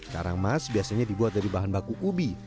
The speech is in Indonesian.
karang mas biasanya dibuat dari bahan baku ubi